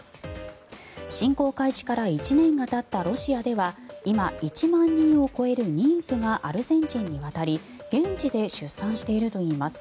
侵攻開始から１年がたったロシアでは今、１万人を超える妊婦がアルゼンチンに渡り現地で出産しているといいます。